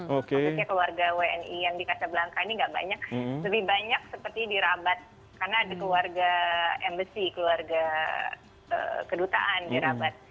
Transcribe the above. maksudnya keluarga wni yang di casablanca ini nggak banyak lebih banyak seperti di rabat karena ada keluarga embassy keluarga kedutaan di rabat